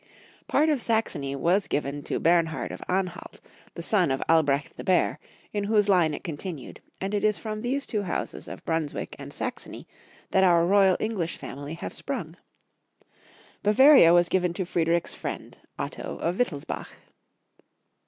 Part of Saxony was given to Bernhard of Anhalt, the son of Al I 142 Toung Folks' Hutory of G ermany. brecht the Bear, in whos' line it continued, and it is from these two housef jf Brunswick and Saxony that our English royal family have sprung. Bava ria was given to Friedrich's friend. Otto of Wit telsbach.